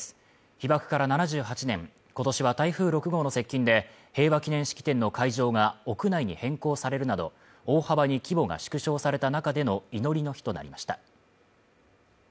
被爆から７８年今年は台風６号の接近で平和祈念式典の会場が屋内に変更されるなど大幅に規模が縮小された中での祈りの日となりました